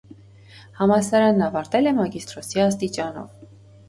Համալսարանն ավարտել է մագիստրոսի աստիճանով։